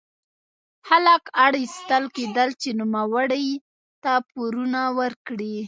خلک اړ ایستل کېدل چې نوموړي ته پورونه ورکړي.